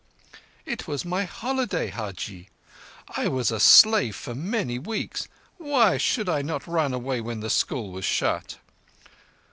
"It was my holiday, Hajji. I was a slave for many weeks. Why should I not run away when the school was shut?